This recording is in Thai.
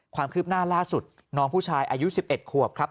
ความคืบหน้าล่าสุดน้องผู้ชายอายุ๑๑ขวบครับ